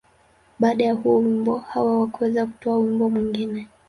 Baada ya huo wimbo, Hawa hakuweza kutoa wimbo mwingine.